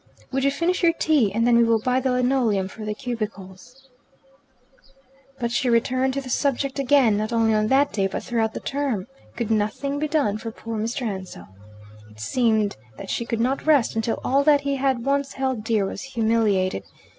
"Would you finish your tea, and then we will buy the linoleum for the cubicles." But she returned to the subject again, not only on that day but throughout the term. Could nothing be done for poor Mr. Ansell? It seemed that she could not rest until all that he had once held dear was humiliated.